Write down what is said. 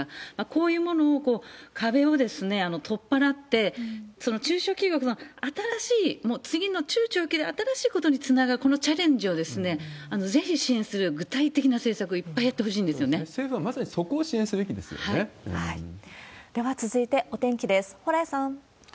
こういうものを壁を取っ払って、中小企業さん、新しい次の中長期で新しいことにつながる、このチャレンジをぜひ支援する具体的な政策、いっぱいやってほし政府はまさにそこを支援すべでは続いてお天気です。